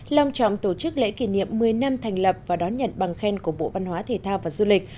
lòng trọng tổ chức lễ kỷ niệm một mươi năm thành lập và đón nhận bằng khen của bộ văn hóa thể thao và du lịch